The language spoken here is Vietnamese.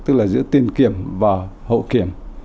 tức là giữa tiền kiểm và hậu kiểm